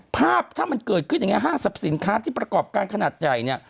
ภาพถ้ามันเกิดขึ้นอย่างนี้ห้างสรรพสินค้าที่ประกอบการขนาดใหญ่เนี่ย